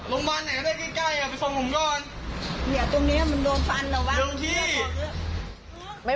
โรงพยาบาลไหนได้ใกล้ไปส่งผมก่อน